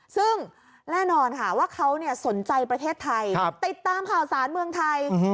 ซึ่งแน่นอนค่ะว่าเขาสนใจประเทศไทยติดตามข่าวสารเมืองไทย